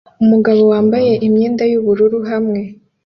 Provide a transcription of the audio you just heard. Umugabo wambaye imyenda yubururu hamwe